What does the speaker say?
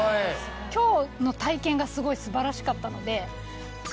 今日の体験がすごい素晴らしかったので。